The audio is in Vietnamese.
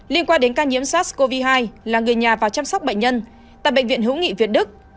liên quan đến ca nhiễm sars cov hai là người nhà vào chăm sóc bệnh nhân tại bệnh viện hữu nghị việt đức